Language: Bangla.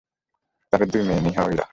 তাদের দুই মেয়ে, নেহা ও ইরা।